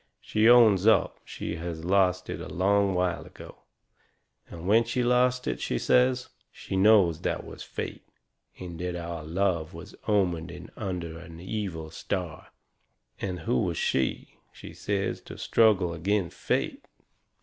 She owns up she has lost it a long while ago. And when she lost it, she says, she knowed that was fate and that our love was omened in under an evil star. And who was she, she says, to struggle agin fate?